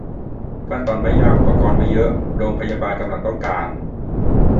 "ขั้นตอนไม่ยาก - อุปกรณ์ไม่เยอะ" โรงพยาบาลกำลังต้องการ